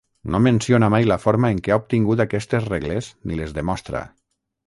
No menciona mai la forma en què ha obtingut aquestes regles ni les demostra.